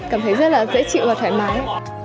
cảm thấy rất là dễ chịu và thoải mái